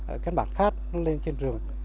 ở các bản khác nó lên trên rừng